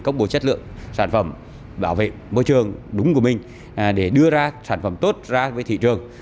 công bố chất lượng sản phẩm bảo vệ môi trường đúng của mình để đưa ra sản phẩm tốt ra với thị trường